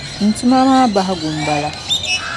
N tuma maa bahigu m-bala.